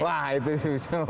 wah itu susah